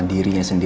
ada atau diganti